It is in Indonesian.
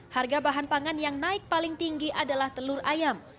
harga bahan pangan yang naik paling tinggi adalah telur ayam